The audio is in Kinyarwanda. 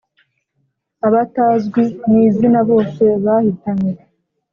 abatazwi mu izina bose bahitanywe